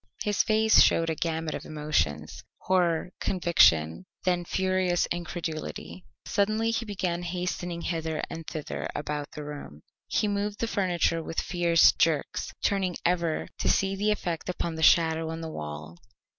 His face showed a gamut of emotions horror, conviction, then furious incredulity. Suddenly he began hastening hither and thither about the room. He moved the furniture with fierce jerks, turning ever to see the effect upon the shadow on the wall.